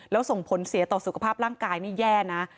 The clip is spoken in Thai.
แล้วส่งผลเสียต่อสุขภาพร่างกายนี่แย่นะ